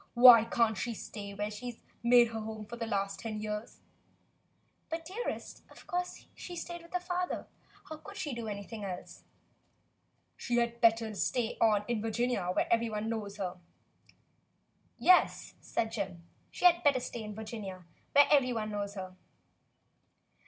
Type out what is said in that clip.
Why can't she stay where she's made her home for the last ten years .^" "But, dearest, of course she stayed with her father; how could she do anything else.^" "She had certainly better stay on in Virginia, where every one knows her," he said. "Yes," said Jim, "she had better stay in Virginia, where every one knows her."